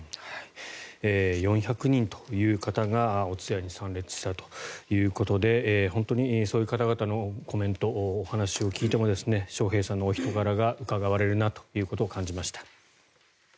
４００人という方がお通夜に参列したということで本当にそういう方々のコメントお話を聞いても笑瓶さんのお人柄がうかがわれるなということを感じました。